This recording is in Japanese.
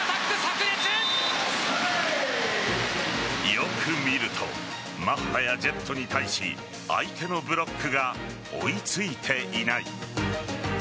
よく見るとマッハやジェットに対し相手のブロックが追いついていない。